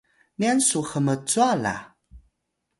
nyan su hmcwa la?